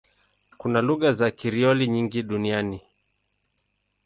Kuna lugha za Krioli nyingi duniani.